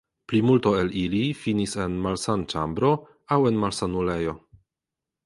Plimulto el ili finis en malsanĉambro aŭ en malsanulejo.